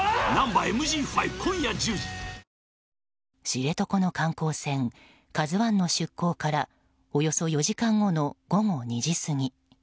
知床の観光船「ＫＡＺＵ１」の出港からおよそ４時間後の午後２時過ぎ。